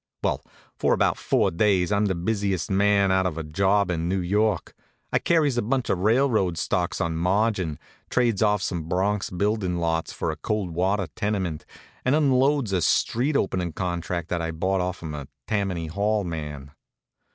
Well, for about four days I'm the busiest man out of a job in New York. I carries a bunch of railroad stocks on margin, trades off some Bronx buildin' lots for a cold water tenement, and unloads a street openin' contract that I bought off'm a Tammany Hall man.